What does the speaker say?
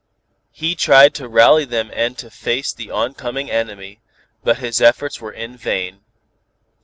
He tried to rally them and to face the on coming enemy, but his efforts were in vain.